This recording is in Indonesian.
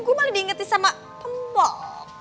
gua malah diingetin sama tembok